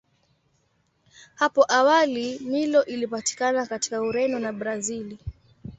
Hapo awali Milo ilipatikana katika Ureno na Brazili.